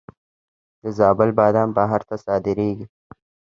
د زابل بادام بهر ته صادریږي.